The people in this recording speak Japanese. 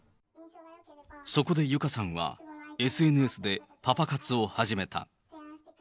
そこで友香さんは、ＳＮＳでパパ活を始めた。